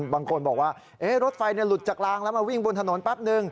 บางคนบอกว่ารถไฟหลุดจากลางแล้วมาวิ่งบนถนนแป๊บนึง